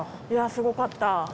いやすごかった。